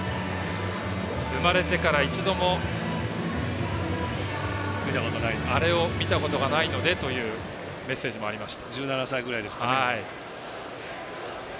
生まれてから一度もＡＲＥを見たことがないのでというメッセージもありました。